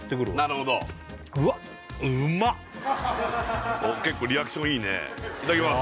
なるほどおっ結構リアクションいいねいただきます